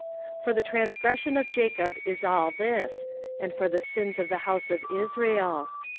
1:5 For the transgression of Jacob is all this, and for the sins of the house of Israel.